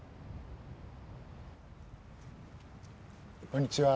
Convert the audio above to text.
こんにちは。